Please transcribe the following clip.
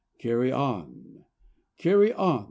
Carry on! Carry on!